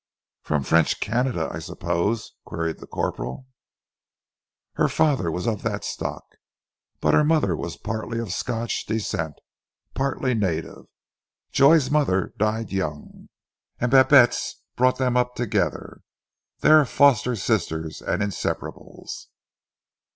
"From French Canada, I suppose?" queried the corporal. "Father was of that stock, but her mother was partly of Scotch descent, partly native. Joy's mother died young, and Babette's brought them up together. They are foster sisters and inseparables."